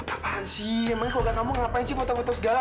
apaan sih emangnya kalau gak kamu ngapain sih foto foto segala